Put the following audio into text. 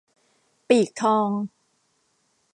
ปีกทอง